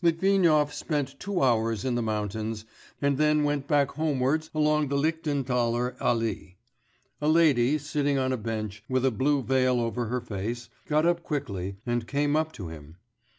Litvinov spent two hours in the mountains, and then went back homewards along the Lichtenthaler Allee.... A lady, sitting on a bench, with a blue veil over her face, got up quickly, and came up to him....